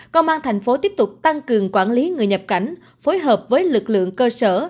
công an thành phố tiếp tục tăng cường quản lý người nhập cảnh phối hợp với lực lượng cơ sở